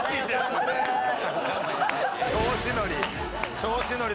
調子乗り。